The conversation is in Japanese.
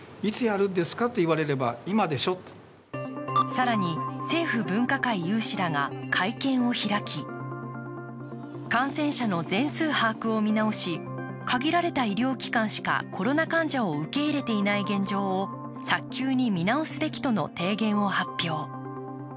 更に政府分科会有志らが会見を開き感染者の全数把握を見直し限られた医療機関しかコロナ患者を受け入れていない現状を早急に見直すべきとの提言を発表。